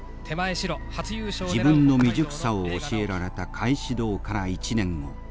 自分の未熟さを教えられた返し胴から１年後。